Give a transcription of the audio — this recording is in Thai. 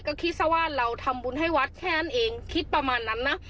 ก็คิดซะว่าเราทำบุญให้วัดแค่นั้นเองคิดประมาณนั้นนะ